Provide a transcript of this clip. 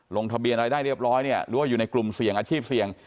ลงทะเบียนอะไรได้เรียบร้อยเนี่ยหรือว่าอยู่ในกลุ่มเสี่ยงอาชีพเสี่ยง